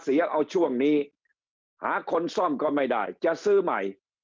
เสียเอาช่วงนี้หาคนซ่อมก็ไม่ได้จะซื้อใหม่